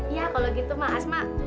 iya kalau gitu mah asma